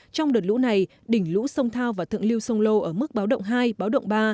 trong đợt lũ này đỉnh lũ sông thao và thượng lưu sông lô ở mức báo động hai báo động ba